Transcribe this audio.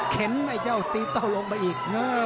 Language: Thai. ไอ้เจ้าตีโต้ลงไปอีก